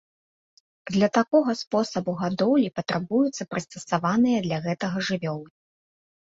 Для такога спосабу гадоўлі патрабуюцца прыстасаваныя для гэтага жывёлы.